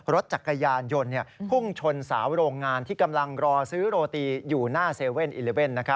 รถจักรยานยนต์พุ่งชนสาวโรงงานที่กำลังรอซื้อโรตีอยู่หน้า๗๑๑